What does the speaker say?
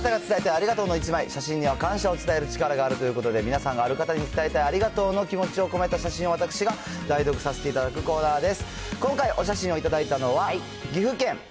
あなたが伝えたいありがとうの１枚、写真には感謝を伝える力があるということで、皆さんがある方に伝えたいありがとうの気持ちを込めたお手紙の、私が代読させていただくコーナーです。